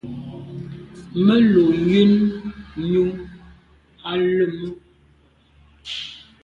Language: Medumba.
Me lo yen nyu à lem.